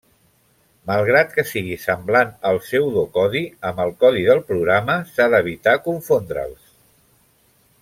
Malgrat que sigui semblant el pseudocodi amb el codi del programa, s'ha d’evitar confondre'ls.